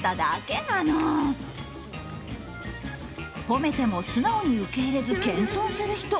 褒めても素直に受け入れず謙遜する人